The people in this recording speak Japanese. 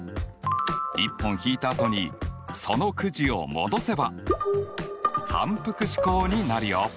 １本引いたあとにそのクジを戻せば反復試行になるよ！